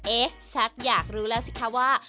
เอ๊ะแซคอยากรู้แล้วสิคะว่า